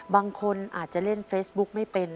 บางคนอาจจะเล่นเฟซบุ๊กไม่เป็น